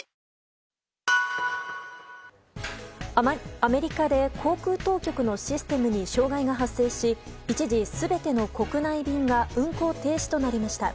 アメリカで航空当局のシステムに障害が発生し一時全ての国内便が運航停止となりました。